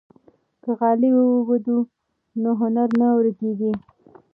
که غالۍ ووبدو نو هنر نه ورکيږي.